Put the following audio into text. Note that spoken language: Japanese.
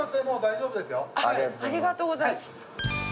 ありがとうございます。